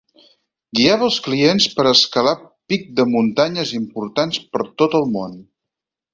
Guiava els clients per escalar pic de muntanyes importants per tot el món.